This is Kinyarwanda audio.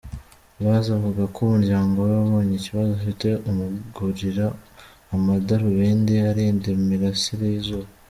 Loise avuga ko umuryango we wabonye ikibazo afite umugurira amadarubindi arinda imirasire y’izuba.